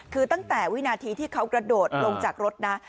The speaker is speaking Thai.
คือตั้งแต่วินาทีที่เขากระโดดลงจากรถนะ